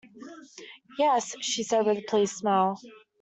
"Yes", she said, with a pleased smile.